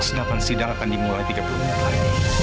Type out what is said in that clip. senapan sidang akan dimulai tiga puluh menit lagi